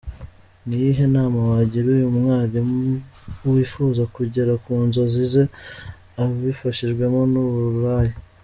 Ni iyihe nama wagira uyu mwari wifuza kugera ku nzozi ze abifashijwemo n’uburaya ?.